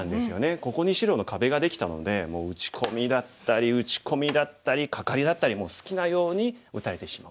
ここに白の壁ができたので打ち込みだったり打ち込みだったりカカリだったりもう好きなように打たれてしまう。